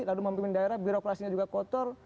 lalu memimpin daerah birokrasinya juga kotor